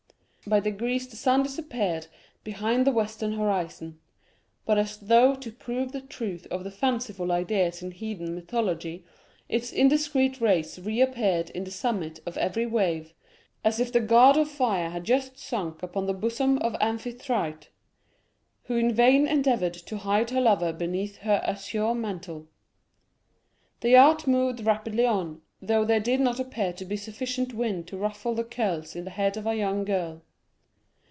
By degrees the sun disappeared behind the western horizon; but as though to prove the truth of the fanciful ideas in heathen mythology, its indiscreet rays reappeared on the summit of every wave, as if the god of fire had just sunk upon the bosom of Amphitrite, who in vain endeavored to hide her lover beneath her azure mantle. The yacht moved rapidly on, though there did not appear to be sufficient wind to ruffle the curls on the head of a young girl.